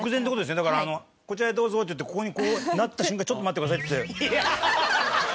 だからあのこちらへどうぞってここにこうなった瞬間ちょっと待ってくださいって。